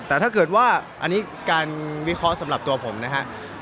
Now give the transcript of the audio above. แต่ถ้าเกิดว่าอันนี้การวิเคราะห์สำหรับตัวผมนะฮะ